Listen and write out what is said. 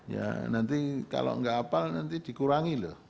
ya nanti kalau nggak hafal nanti dikurangi loh